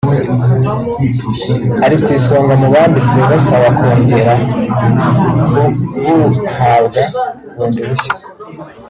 ari ku isonga mu banditse basaba kongera kubuhabwa bundi bushya